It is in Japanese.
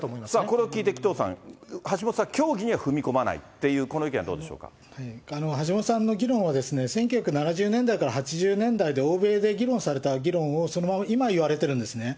これを聞いて紀藤さん、橋下さん、教義には踏み込まないって橋下さんの議論は、１９７０年代から８０年代で欧米で議論された議論をそのまま今、言われているんですよね。